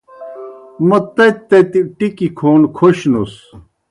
موْ تتیْ تتیْ ٹِکیْ کھون کھوسنُس۔